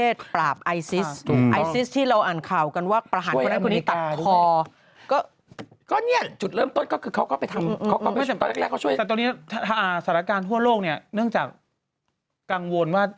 สรรค์รักษณะการทั่วโลกเนื่องจากกังวลว่า